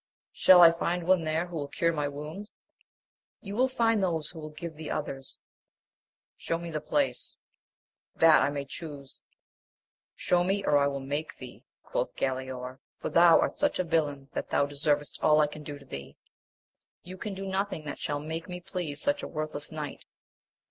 — Shall I find one there who will cure my wound ?— ^You will find those who will , give thee others. — Shew me the place !— ^That I may chuse. — Shew me, or I will make thee, quoth Galaor, for thou art such a villain that thou deservest all I can do to thee. — You can do nothing that shall make me please such a worthless knight.